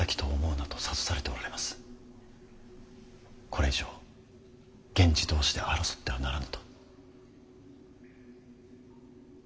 これ以上源氏同士で争ってはならぬと。